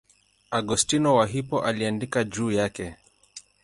Augustino wa Hippo aliandika juu yake.